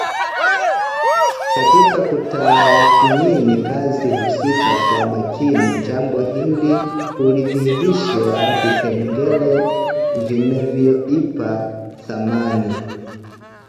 Katika kutathmini kazi husika kwa makini jambo hili hudhihirisha vipengee vinavyoipa thamani